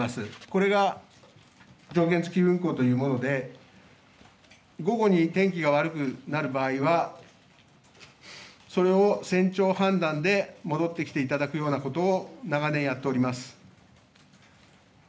それが条件付き運航というもので午後に天気が悪くなる場合はそれを船長判断で戻って来ていただくようなことを長年やっております。